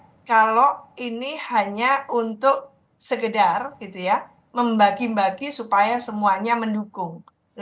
saya ragu gitu ya kalau ini hanya untuk segedar gitu ya membagi bagi supaya semuanya mendukung